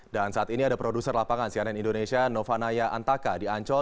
dan saat ini ada produser lapangan sianen indonesia nova naya antaka di ancol